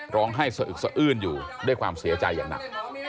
ให้สะอึกสะอื้นอยู่ด้วยความเสียใจอย่างหนัก